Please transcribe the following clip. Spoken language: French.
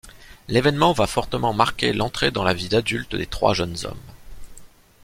L'événement va fortement marquer l'entrée dans la vie d'adulte des trois jeunes hommes…